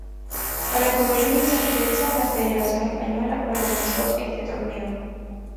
Para cubrir dichas fechas la Federación Española organizó este torneo.